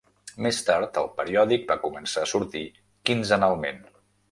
Més tard, el periòdic va començar a sortir quinzenalment.